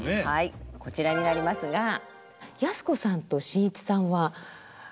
はいこちらになりますが靖子さんと震一さんは？